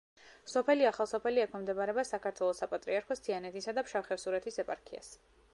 სოფელი ახალსოფელი ექვემდებარება საქართველოს საპატრიარქოს თიანეთისა და ფშავ-ხევსურეთის ეპარქიას.